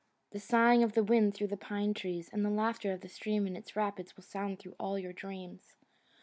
The sighing of the wind through the pine trees and the laughter of the stream in its rapids will sound through all your dreams.